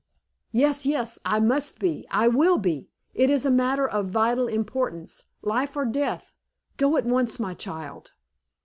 "Yes, yes. I must be, I will be. It is a matter of vital importance, life or death. Go at once, my child."